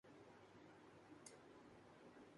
میرے شوہر یہ جملہ بنا رہا ہے